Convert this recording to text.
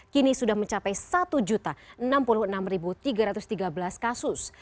kini sudah mencapai satu enam puluh enam tiga ratus tiga belas kasus